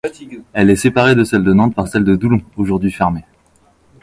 Elle est séparée de celle de Nantes par celle de Doulon, aujourd'hui fermée.